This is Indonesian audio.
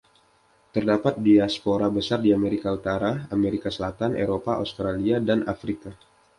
Terdapat diaspora besar di Amerika Utara, Amerika Selatan, Eropa, Australia dan Afrika.